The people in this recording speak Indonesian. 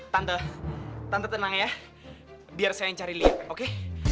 tante tante tenang ya biar saya yang cari lift oke